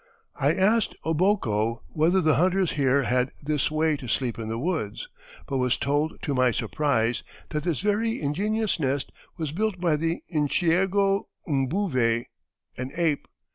I asked Aboko whether the hunters here had this way to sleep in the woods, but was told, to my surprise, that this very ingenious nest was built by the nshiego mbouve, an ape.